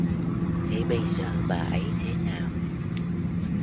Thế bây giờ bà ấy thế nào